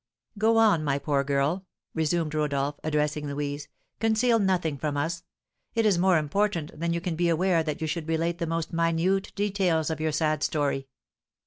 "Go on, my poor girl," resumed Rodolph, addressing Louise; "conceal nothing from us: it is more important than you can be aware that you should relate the most minute details of your sad story."